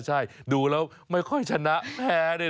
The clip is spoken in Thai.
ใช่ดูแล้วไม่ค่อยชนะแพ้เนี่ย